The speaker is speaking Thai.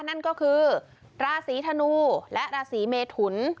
นั่นก็คือราศีธนูและราศีเมทุน